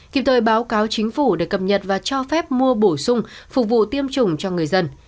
kịp thời báo cáo chính phủ để cập nhật và cho phép mua bổ sung phục vụ tiêm chủng cho người dân